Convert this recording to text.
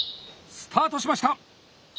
スタートしました！